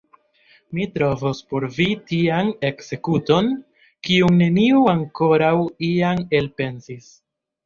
Mi trovos por vi tian ekzekuton, kiun neniu ankoraŭ iam elpensis!